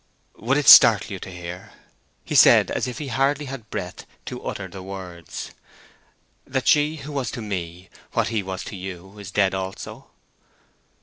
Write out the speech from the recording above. "Would it startle you to hear," he said, as if he hardly had breath to utter the words, "that she who was to me what he was to you is dead also?"